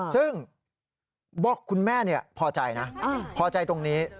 ซึ่งบอกคุณแม่พอใจนะพอใจตรงนี้